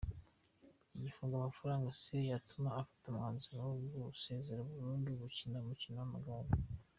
Ikingo amafaranga si yo yatuma afata umwanzuro wo gusezera burundu gukina umukino w’amagare.